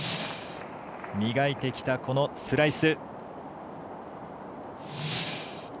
磨いてきたこのスライス。